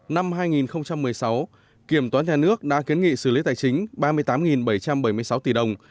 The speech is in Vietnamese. năm hai nghìn một mươi sáu kiểm toán nhà nước đã kiến nghị xử lý tài chính ba mươi tám bảy trăm bảy mươi sáu tỷ đồng